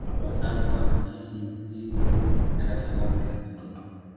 Kwa sasa anaishi jijini Dar es Salaam, Tanzania.